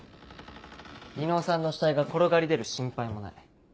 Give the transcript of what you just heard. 伊能さんの死体が転がり出る心配もない。